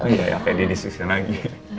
iya ya oke didiskusikan lagi